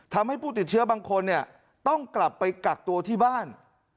ทำให้ผู้ติดเชื้อบางคนเนี่ยต้องกลับไปกักตัวที่บ้าน